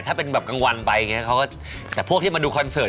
ถ้าเป็นแบบกลางวันไปแต่พวกที่มาดูคอนเซิร์ต